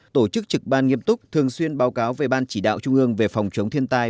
tổ chức trực ban nghiêm túc thường xuyên báo cáo về ban chỉ đạo trung ương về phòng chống thiên tai